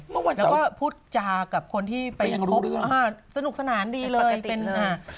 แล้วก็พูดจากับคนที่ปุ๊กสนุกสนานดีเลยเป็นว่าเป็นไปยังรู้เรื่อง